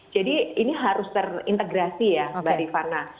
jadi ini harus terintegrasi ya bari farna